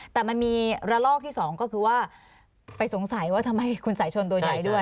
แต่มันมีระลอกที่สองก็คือว่าไปสงสัยว่าทำไมคุณสายชนตัวใหญ่ด้วย